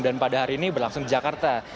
dan pada hari ini berlangsung jakarta